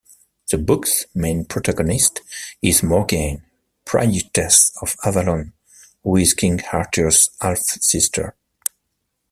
The book's main protagonist is Morgaine, priestess of Avalon, who is King Arthur's half-sister.